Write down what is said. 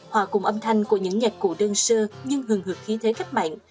hòa cùng âm thanh của những nhạc cụ đơn sơ nhưng hường hợp khí thế cách mạng